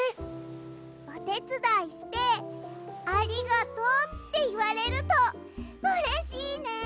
おてつだいして「ありがとう」っていわれるとうれしいね。